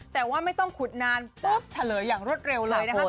แต่ว่าไม่ต้องขุดนานปุ๊บเฉลยอย่างรวดเร็วเลยนะคะ